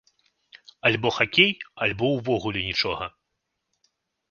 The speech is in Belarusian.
Альбо хакей, альбо ўвогуле нічога.